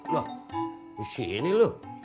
lah di sini lu